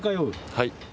はい。